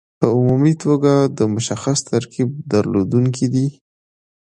په عمومي توګه د مشخص ترکیب درلودونکي دي.